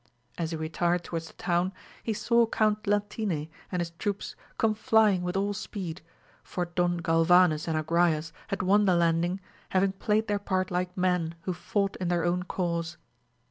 As he retired toward the town, he saw Count Latine and his troops come flying with all speed, for Don Galvanes and Agrayes had won the landing having played their part like men who fought in their own cause.